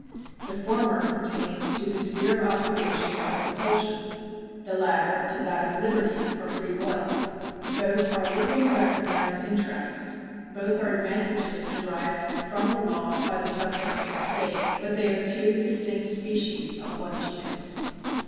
The former pertain to the sphere of obligation or compulsion ; the latter to that of liberty or free will. Both are legally recognised interests ; both are advantages derived from the law by the subjects of the state ; but they are two distinct species of one genus.